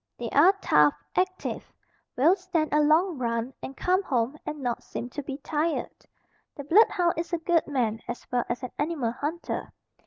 They are tough, active, will stand a long run and come home and not seem to be tired. The blood hound is a good man as well as an animal hunter.